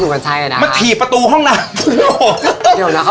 มาถีบประตูห้องน้ำ